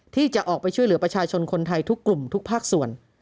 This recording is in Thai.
ที่จะออกไปช่วยเหลือประชาชนคนไทยทุกกลุ่มทุกภาคส่วน